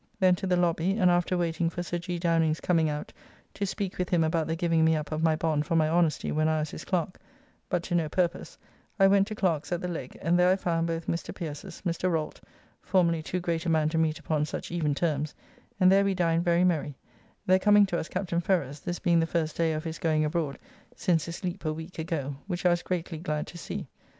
Then to the lobby, and after waiting for Sir G. Downing's coming out, to speak with him about the giving me up of my bond for my honesty when I was his clerk, but to no purpose, I went to Clerke's at the Legg, and there I found both Mr. Pierces, Mr. Rolt, formerly too great a man to meet upon such even terms, and there we dined very merry, there coming to us Captain Ferrers, this being the first day of his going abroad since his leap a week ago, which I was greatly glad to see.